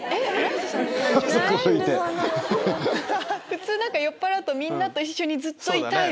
普通酔っぱらうとみんなと一緒にずっといたい。